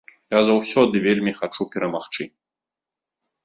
Я заўсёды вельмі хачу перамагчы.